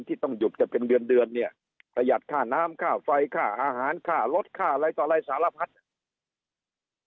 ที่ต้องหยุดกันเป็นเดือนเดือนเนี่ยประหยัดค่าน้ำค่าไฟค่าอาหารค่ารถค่าอะไรต่ออะไรสารพัด